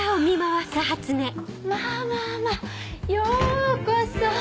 まぁまぁまぁようこそ。